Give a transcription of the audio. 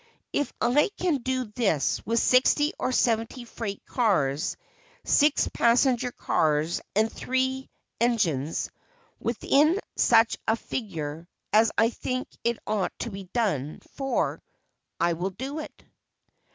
If I can do this with sixty or seventy freight cars, six passenger cars and three engines, within such a figure as I think it ought to be done for, I will do it."